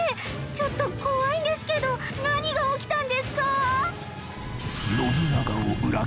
ちょっと怖いんですけど何が起きたんですか？